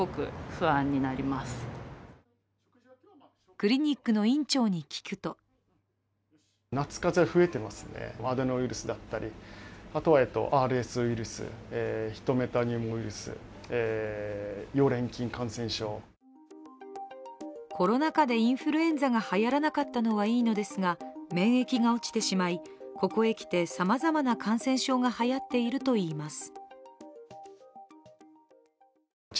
クリニックの院長に聞くとコロナ禍でインフルエンザがはやらなかったのはいいのですが免疫が落ちてしまいここへきて、さまざまな感染症がはやっているといいます。